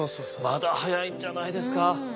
まだ早いんじゃないですか。